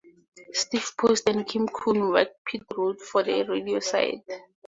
Steve Post and Kim Coon worked pit road for the radio side.